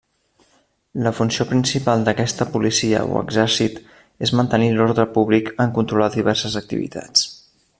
La funció principal d'aquesta policia o exèrcit és mantenir l'ordre públic en controlar diverses activitats.